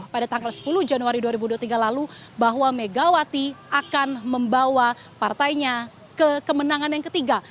pada tanggal sepuluh januari dua ribu dua puluh tiga lalu bahwa megawati akan membawa partainya ke kemenangan yang ketiga